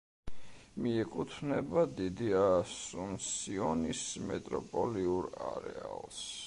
მიეკუთვნება დიდი ასუნსიონის მეტროპოლიურ არეალს.